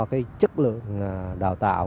cái chất lượng đào tạo